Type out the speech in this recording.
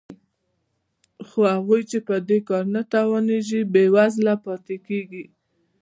خو هغوی چې په دې کار نه توانېږي بېوزله پاتې کېږي